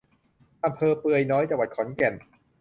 อำเภอเปือยน้อย จังหวัดขอนแก่น